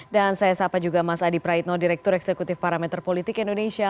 dan saya sapa juga mas adi praitno direktur eksekutif parameter politik indonesia